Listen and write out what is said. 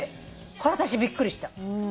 これ私びっくりした。